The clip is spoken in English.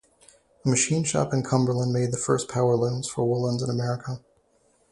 A machine shop in Cumberland made the first power looms for woolens in America.